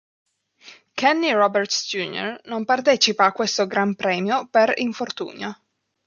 Kenny Roberts Jr non partecipa a questo Gran Premio per infortunio.